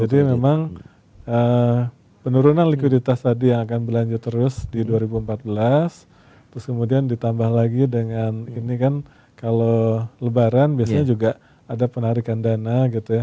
jadi memang penurunan likuiditas tadi yang akan berlanjut terus di dua ribu empat belas terus kemudian ditambah lagi dengan ini kan kalau lebaran biasanya juga ada penarikan dana gitu ya